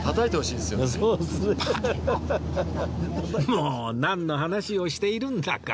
もうなんの話をしているんだか